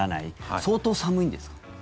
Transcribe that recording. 相当寒いんですか？